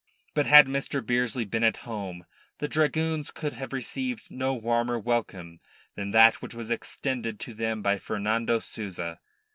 But had Mr. Bearsley been at home the dragoons could have received no warmer welcome than that which was extended to them by Fernando Souza.